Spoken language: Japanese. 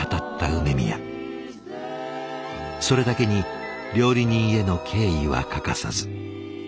それだけに料理人への敬意は欠かさず。